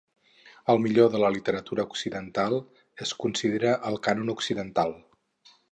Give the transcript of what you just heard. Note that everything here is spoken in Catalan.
El millor de la literatura occidental es considera el cànon occidental.